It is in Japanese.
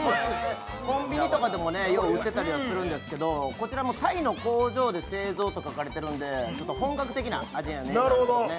コンビニとかでもよう売ってたりとかするんですけど、こちらもタイの工場で製造と書かれているので、本格的な味なんですね。